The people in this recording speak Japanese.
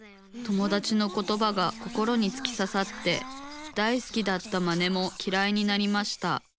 友だちのことばが心につきささって大好きだったマネもきらいになりました。